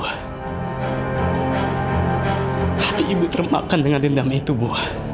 hati ibu termakan dengan dendam itu buah